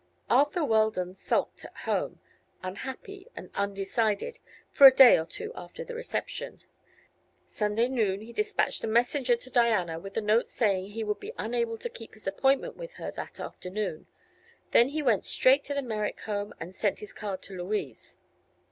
Arthur Weldon sulked at home, unhappy and undecided, for a day or two after the reception. Sunday noon he dispatched a messenger to Diana with a note saying he would be unable to keep his appointment with her that afternoon. Then he went straight to the Merrick home and sent his card to Louise.